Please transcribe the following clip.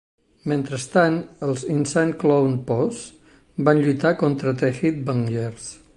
Mentrestant, els Insane Clowne Posse van lluitar contra The Headbangers.